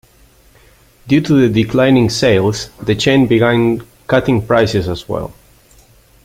Due to declining sales, the chain began cutting prices as well.